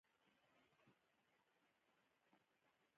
ورزش د بدن ټول غړي منظم کار ته هڅوي.